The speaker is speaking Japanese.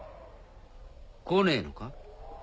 来ねえのか？